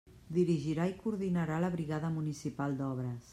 Dirigirà i coordinarà la brigada municipal d'obres.